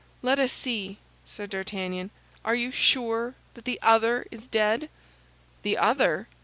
"Let us see," said D'Artagnan. "Are you sure that the other is dead?" "_The other?